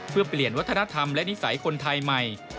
เพื่อเปลี่ยนวัฒนธรรมและนิสัยคนไทยใหม่